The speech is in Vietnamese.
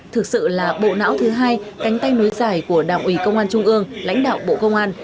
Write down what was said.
thực sự là bộ não thứ hai cánh tay nối dài của đảng ủy công an trung ương lãnh đạo bộ công an